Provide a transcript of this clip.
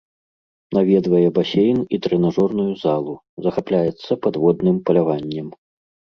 Наведвае басейн і трэнажорную залу, захапляецца падводным паляваннем.